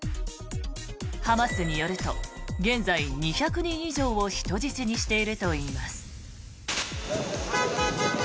ハマスによると、現在２００人以上を人質にしているといいます。